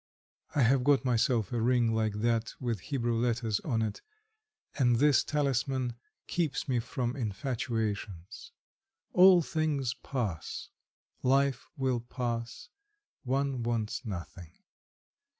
I have got myself a ring like that with Hebrew letters on it, and this talisman keeps me from infatuations. All things pass, life will pass, one wants nothing.